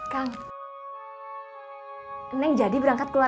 sebenarnya kayaknya kamu lihat